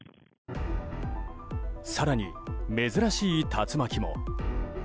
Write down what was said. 更に、珍しい竜巻も。